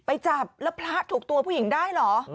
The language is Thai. จับแล้วพระถูกตัวผู้หญิงได้เหรอ